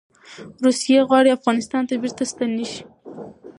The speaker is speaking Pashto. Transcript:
روسې غواړي افغانستان ته بیرته ستنې شي.